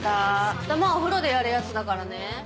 頭はお風呂でやるやつだからね。